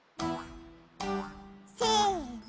せの！